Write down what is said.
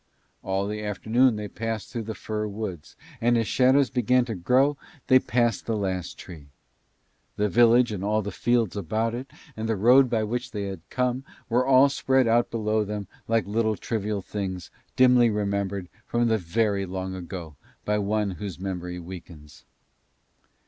All the afternoon they passed through the fir woods, and as shadows began to grow long they passed the last tree. The village and all the fields about it and the road by which they had come were all spread out below them like little trivial things dimly remembered from very long ago by one whose memory weakens.